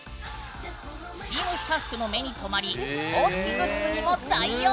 チームスタッフの目に留まり公式グッズにも採用！